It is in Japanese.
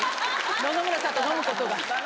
野々村さんと飲むことが。